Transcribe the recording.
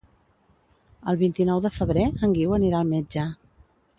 El vint-i-nou de febrer en Guiu anirà al metge.